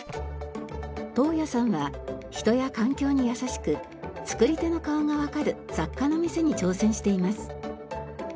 東矢さんは人や環境にやさしく作り手の顔がわかる雑貨の店に挑戦しています。